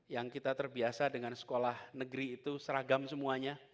yang kita terbiasa dengan sekolah negeri itu seragam semuanya